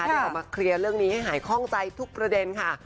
ได้ออกมาเคลียร์เรื่องนี้ให้หายคล่องใจทุกประเด็นค่ะ